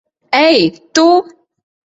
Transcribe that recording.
Ei, tu!